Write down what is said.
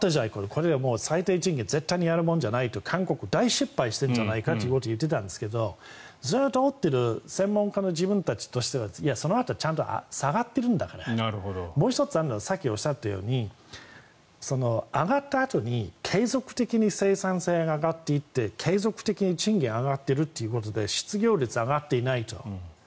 これで最低賃金絶対にやるもんじゃないと韓国大失敗しているじゃないかと言っていたんですけどずっと追っている専門家の自分たちとしてはいや、そのあとちゃんと下がっているんだからもう１つあるのはさっきおっしゃったように上がったあとに継続的に生産性が上がっていって継続的に賃金が上がっているということで失業率が上がっていないと。